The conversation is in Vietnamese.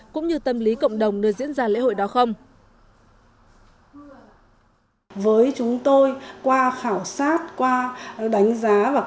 cũng như tâm lý cộng đồng nơi diễn ra lễ hội đó không